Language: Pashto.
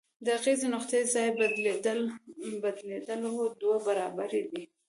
د اغیزې نقطې ځای بدلیدل دوه برابره دی.